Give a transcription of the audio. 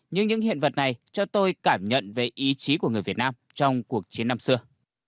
nhưng những hiện vật này cho tôi cảm nhận về ý chí của người việt nam trong cuộc chiến năm xưa